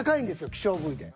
希少部位で。